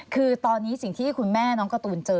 คือตอนนี้สิ่งที่คุณแม่น้องการ์ตูนเจอ